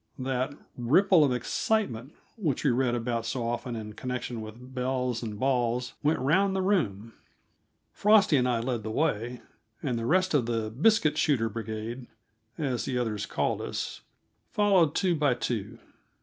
That "ripple of excitement" which we read about so often in connection with belles and balls went round the room. Frosty and I led the way, and the rest of the "biscuit shooter brigade," as the others called us, followed two by two.